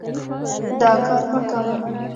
دا کار مه کوه.